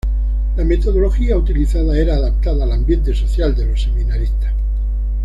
La metodología utilizada era adaptada al ambiente social de los seminaristas.